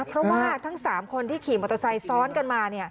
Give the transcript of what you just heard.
เพราะว่าทั้ง๓คนที่ขี่มอเตอร์ไซค์ซ้อนกันมา